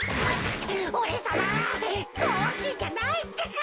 おれさまはぞうきんじゃないってか。